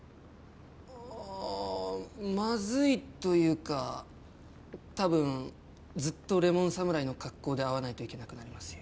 ああまずいと言うかたぶんずっとレモン侍の格好で会わないといけなくなりますよ？